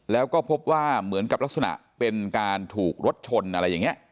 แล้วก็พบว่าเหมือนกับลักษณะเป็นการถูกรถชนอะไรอย่างนี้